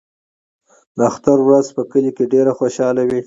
د اختر ورځ په کلي کې ډېره خوشحاله وي.